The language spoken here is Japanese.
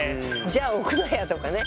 「じゃあ置くなや！」とかね。